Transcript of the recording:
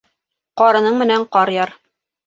Ҡарының менән ҡар яр